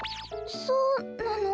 そうなの？